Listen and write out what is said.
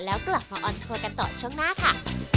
แล้วกลับมาออนทัวร์กันต่อช่วงหน้าค่ะ